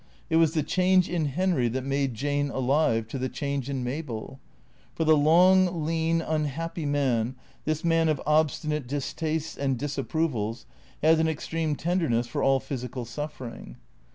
It was the change in Henry that made Jane alive to the change in Mabel; for the long, lean, unhappy man, this man of obstinate distastes and disapprovals, had an extreme ten derness for all physical suffering.